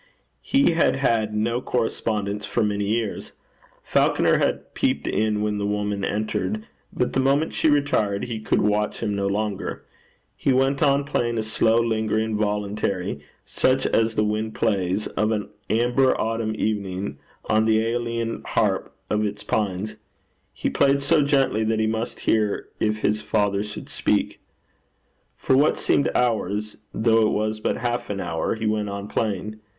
He had had no correspondence for many years. Falconer had peeped in when the woman entered, but the moment she retired he could watch him no longer. He went on playing a slow, lingering voluntary, such as the wind plays, of an amber autumn evening, on the æolian harp of its pines. He played so gently that he must hear if his father should speak. For what seemed hours, though it was but half an hour, he went on playing.